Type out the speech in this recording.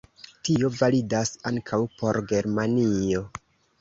Tio validas ankaŭ por Germanio.